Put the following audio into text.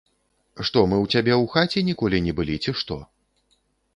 Што, мы ў цябе ў хаце ніколі не былі, ці што?